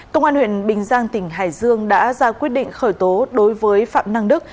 công an huyện bình giang tỉnh hải dương đã ra quyết định khởi tố đối với phạm năng đức